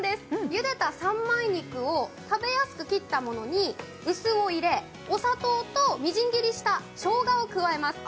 ゆでた三枚肉を食べやすく切ったものに、「ンス」を入れ、お砂糖とみじん切りしたしょうがを入れます。